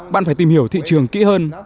bạn phải tìm hiểu thị trường kỹ hơn